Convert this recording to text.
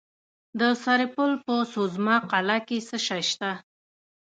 د سرپل په سوزمه قلعه کې څه شی شته؟